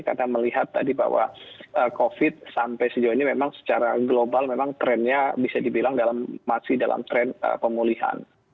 karena melihat tadi bahwa covid sampai sejauh ini memang secara global memang trennya bisa dibilang dalam masih dalam tren pemulihan